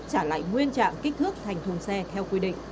trả lại nguyên trạng kích thước thành thùng xe theo quy định